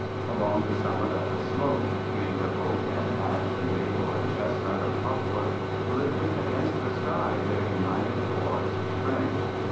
Along the summit of the slope trees of oak and ash and maple and chestnut and poplar lifted against the sky their united forest strength.